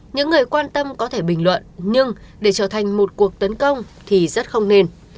những người quan tâm có thể bình luận nhưng để trở thành một cuộc tấn công thì rất không nên